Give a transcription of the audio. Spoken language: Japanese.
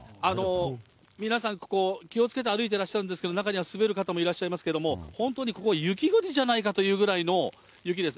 皆さんここ、気をつけて歩いてらっしゃるんですけれども、中には滑る方もいらっしゃいますけれども、本当にここ、雪国じゃないかというぐらいの雪です。